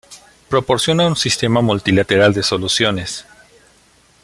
Proporciona un sistema multilateral de soluciones.